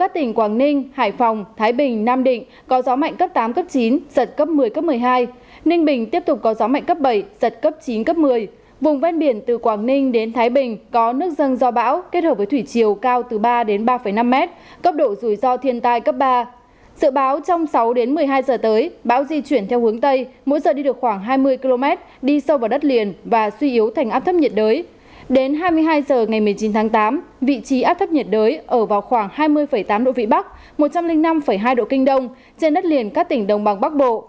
đến hai mươi hai h ngày một mươi chín tháng tám vị trí áp thấp nhiệt đới ở vào khoảng hai mươi tám độ vĩ bắc một trăm linh năm hai độ kinh đông trên đất liền các tỉnh đồng bằng bắc bộ